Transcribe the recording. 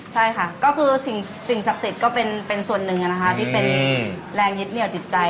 ใช่ค่ะก็คือสิ่งศักดิ์สิทธิ์ก็เป็นส่วนหนึ่งนะคะที่เป็นแรงยึดเหนี่ยวจิตใจ